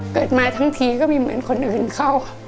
เกิดมาทั้งทีก็มีเหมือนคนอื่นเข้า